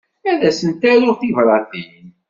Ad sent-aruɣ tibratin.